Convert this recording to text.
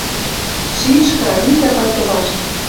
Шишка, витӓ пальто вашт.